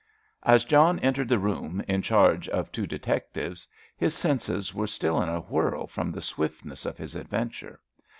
As John entered the room, in charge of two detectives, his senses were still in a whirl from the swiftness of his adventure.